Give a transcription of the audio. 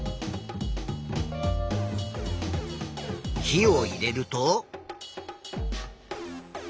火を入れると。